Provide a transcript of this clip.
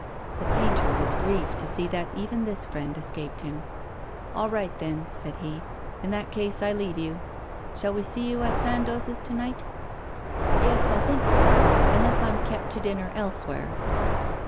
The painter was grieved to see that even this friend escaped him. 'All right, then,' said he; 'in that case I leave you. Shall we see you at Sandoz's to night?' 'Yes, I think so; unless I'm kept to dinner elsewhere.